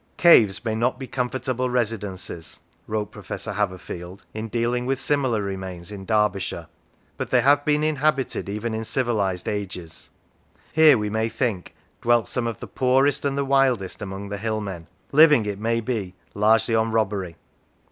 " Caves may not be comfortable residences," wrote Professor Haverfield, in dealing with similar remains in Derby shire, " but they have been inhabited even in civilised ages. Here, we may think, dwelt some of the poorest and the wildest among the hillmen, living, it may be, largely on robbery."